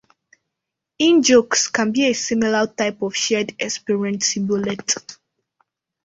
In-jokes can be a similar type of shared-experience shibboleth.